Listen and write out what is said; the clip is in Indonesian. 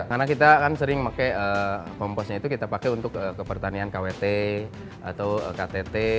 karena kita kan sering pakai komposnya itu kita pakai untuk kepertanian kwt atau ktt